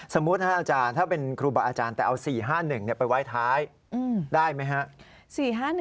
อาจารย์ถ้าเป็นครูบาอาจารย์แต่เอา๔๕๑ไปไว้ท้ายได้ไหมครับ